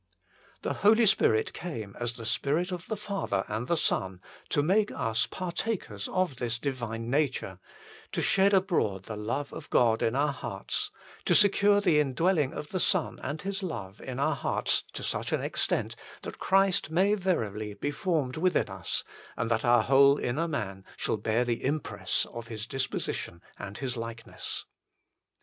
The Holy Spirit came as the Spirit of the Father and the Son to make us partakers of this divine nature, to shed abroad the love of God in our hearts, to secure the indwelling of the Son and His love in our hearts to such an extent that Christ may verily be formed within us, and that our whole " inner man " shall bear the impress of His disposition and His likeness.